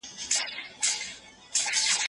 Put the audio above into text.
دا کور پاک دی